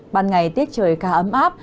ban ngày tiết trời cao ấm áp